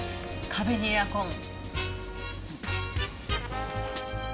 壁にエアコン。